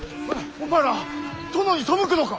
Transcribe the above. お前ら殿に背くのか！